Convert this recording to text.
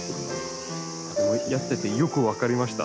でもやっててよく分かりました。